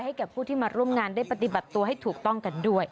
จะได้ภาพร่อยฯร่วมงานได้ปฏิบัติตัวให้ถูกต้องกันด้วย